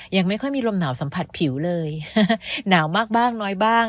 ยังไม่ค่อยมีลมหนาวสัมผัสผิวเลยหนาวมากบ้างน้อยบ้าง